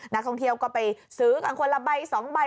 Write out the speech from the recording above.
นักท่องเที่ยวก็ไปซื้อกันคนละใบ๒ใบ